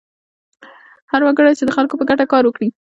هر وګړی چې د خلکو په ګټه کار وکړي.